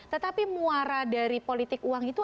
tetapi muara dari politik uang itu